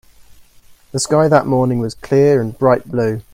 The sky that morning was clear and bright blue.